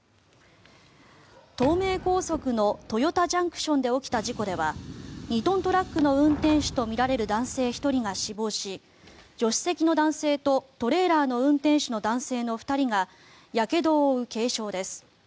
東名高速の豊田ＪＣＴで起きた事故では２トントラックの運転手とみられる男性１人が死亡し助手席の男性とトレーラーの運転手の男性の２人がやけどを負う軽傷です。